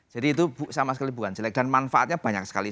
jadi itu sama sekali bukan jelek dan manfaatnya banyak sekali